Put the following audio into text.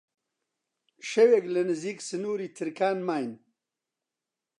شەوێک لە نزیک سنووری ترکان ماین